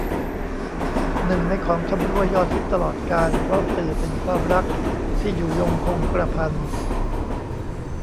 หนึ่งในของชำร่วยยอดฮิตตลอดกาล เพราะสื่อถึงความรักที่อยู่ยงคงกระพัน